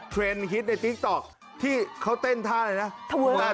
เทรนด์ฮิตในติ๊กต๊อกที่เขาเต้นท่าอะไรนะ